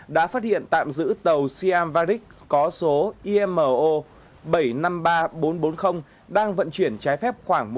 đã phát hiện tạm giữ tàu siam varix có số imo bảy trăm năm mươi ba nghìn bốn trăm bốn mươi đang vận chuyển trái phép khoảng một trăm linh